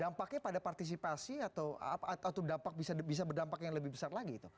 dampaknya pada partisipasi atau bisa berdampak yang lebih besar lagi itu